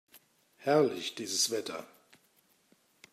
Herrlich, dieses Wetter!